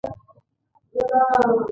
د ښه کیفیت غوښه تل نرم وي.